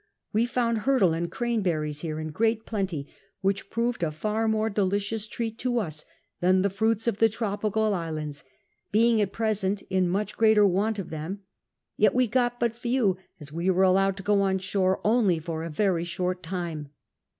We found hurtle and crane berries here in great plenty, which jiroved a far more delicious treat to us than the fruits of the tropical islands ; being at present ill much greater want of them ; yet we got but few, as we were allowed to go. on shore only for a very short lime.